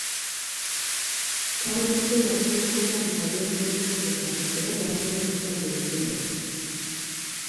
Twawonedde watono okufa mu kabenje k'emmotoka era twafunye obusago butono.